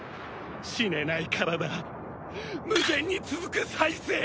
死ねない体無限に続く再生。